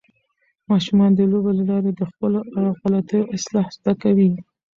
ماشومان د لوبو له لارې د خپلو غلطیو اصلاح زده کوي.